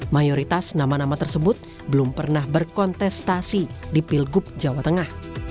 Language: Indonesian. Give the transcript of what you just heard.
mayoritas nama nama tersebut belum pernah berkontestasi di pilgub jawa tengah